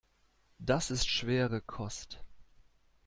Das ist schwere Kost.